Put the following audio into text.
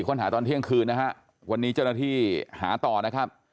ค้นหาตอนเที่ยงคืนนะฮะวันนี้เจ้าหน้าที่หาต่อนะครับ